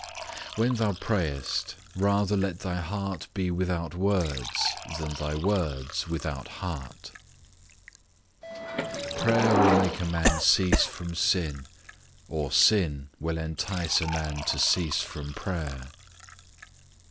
When thou prayest, rather let thy heart be without words than thy words without heart. Prayer will make a man cease from sin, or sin will entice a man to cease from prayer.